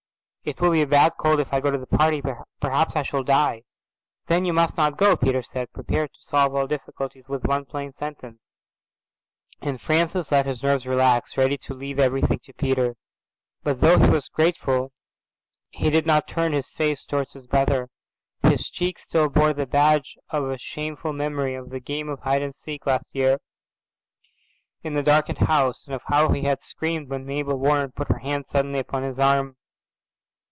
"It will be a bad cold if I go to the party. Perhaps I shall die." "Then you mustn't go," Peter said, prepared to solve all difficulties with one plain sentence, and Francis let his nerves relax, ready to leave everything to Peter. But though he was grateful he did not turn his face towards his brother. His cheeks still bore the badge of a shameful memory, of the game of hide and seek last year in the darkened house, and of how he had screamed when Mabel Warren put her hand suddenly upon his arm.